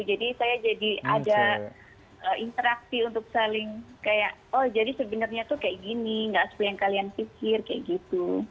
jadi saya jadi ada interaksi untuk saling kayak oh jadi sebenarnya tuh kayak gini nggak seperti yang kalian pikir kayak gitu